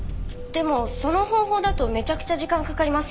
でもその方法だとめちゃくちゃ時間かかりますよね。